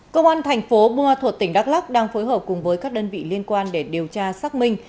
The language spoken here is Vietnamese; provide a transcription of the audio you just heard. công an thành phố mùa thuộc tỉnh đắk lắk đang phối hợp cùng với các đơn vị liên quan để điều tra xác minh